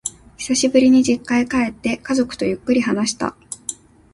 久しぶりに実家へ帰って、家族とゆっくり話した。